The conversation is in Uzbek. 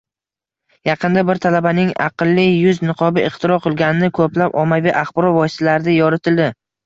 Yaqinda bir talabaning “aqlli” yuz niqobi ixtiro qilgani koʻplab ommaviy axborot vositalarida yoritildi.